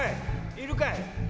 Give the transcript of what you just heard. いるかい？」。